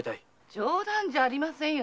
冗談じゃありませんよ。